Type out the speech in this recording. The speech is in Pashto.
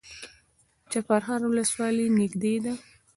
چپرهار ولسوالۍ نږدې ده؟